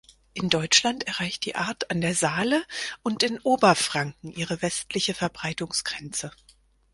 In Deutschland erreicht die Art an der Saale und in Oberfranken ihre westliche Verbreitungsgrenze.